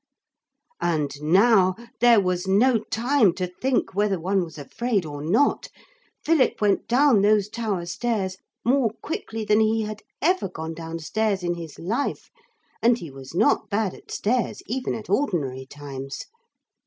And now there was no time to think whether one was afraid or not. Philip went down those tower stairs more quickly than he had ever gone down stairs in his life, and he was not bad at stairs even at ordinary times.